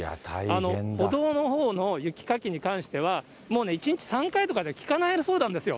歩道のほうの雪かきに関しては、もうね、１日３回とかじゃきかないそうなんですよ。